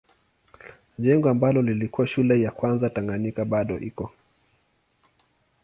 Jengo ambalo lilikuwa shule ya kwanza Tanganyika bado iko.